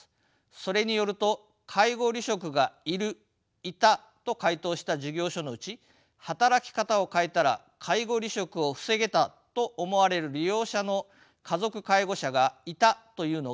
それによると介護離職がいる・いたと回答した事業所のうち働き方を変えたら介護離職を防げたと思われる利用者の家族介護者がいたというのが約４割でした。